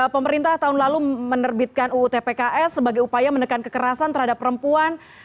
pemerintah tahun lalu menerbitkan ruu tpks sebagai upaya menekan kekerasan terhadap perempuan